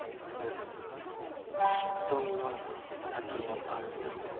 「瞳の先にあるモノを」？